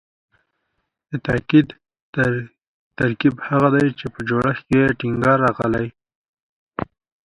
تاکیدي ترکیب هغه دﺉ، چي په جوړښت کښي ئې ټینګار راغلی یي.